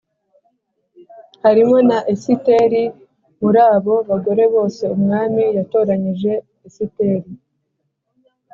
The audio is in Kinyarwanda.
Harimo na esiteri muri abo bagore bose umwami yatoranyije esiteri